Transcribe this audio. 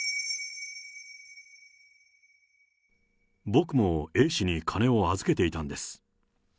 僕もＡ氏に金を預けていたんです。